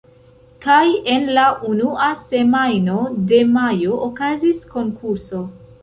Kaj en la unua semajno de majo okazis konkurso.